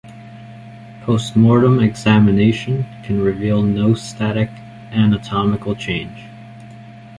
Postmortem examination can reveal no static anatomical change.